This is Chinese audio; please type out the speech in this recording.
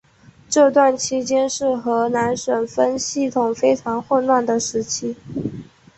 这段期间是荷兰省分系统非常混乱的时期。